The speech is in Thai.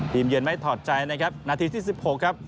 ทีมเยินไม่ถอดใจนะครับนาที๑๖ครับ